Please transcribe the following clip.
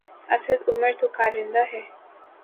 اسد عمر تو کارندہ ہے۔